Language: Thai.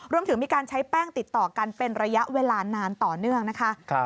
รวมถึงมีการใช้แป้งติดต่อกันเป็นระยะเวลานานต่อเนื่องนะคะ